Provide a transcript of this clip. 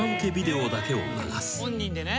本人でね。